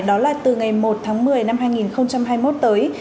đó là từ ngày một tháng một mươi năm hai nghìn hai mươi một tới